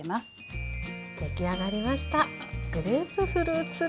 出来上がりました。